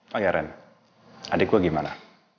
pak yaren adik gue gimana